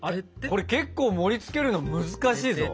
これ結構盛りつけるの難しいぞ。